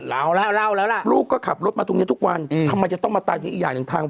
เล่าแล้วเล่าแล้วล่ะลูกก็ขับรถมาตรงนี้ทุกวันทำไมจะต้องมาตายตรงนี้อีกอย่างหนึ่งทาง